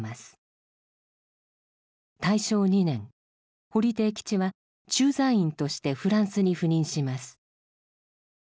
大正２年堀悌吉は駐在員としてフランスに赴任します。